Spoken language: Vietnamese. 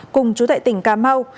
cùng chú tệ tỉnh cà mau